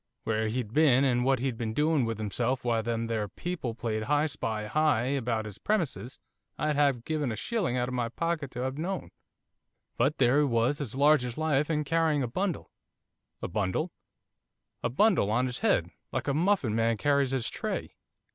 Where he'd been, and what he'd been doing with himself while them there people played hi spy hi about his premises I'd have given a shilling out of my pocket to have known, but there he was, as large as life, and carrying a bundle.' 'A bundle?' 'A bundle, on his head, like a muffin man carries his tray.